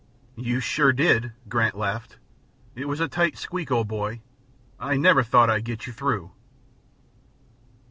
"You sure did," Grant laughed. "It was a tight squeak, old boy. I never thought I'd get you through."